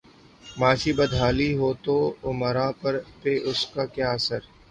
معاشی بدحالی ہو توامراء پہ اس کا کیا اثر؟